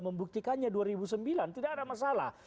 membuktikannya dua ribu sembilan tidak ada masalah